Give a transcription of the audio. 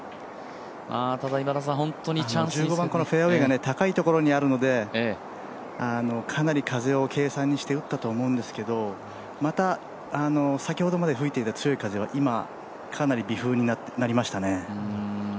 フェアウエーが高いところにあるのでかなり風を計算にして打ったと思うんですけれども、また先ほどまで吹いていた強い風は今、かなり微風になりましたね。